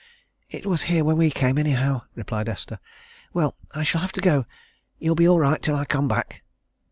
"It was here when we came, anyhow," replied Esther. "Well I shall have to go. You'll be all right until I come back."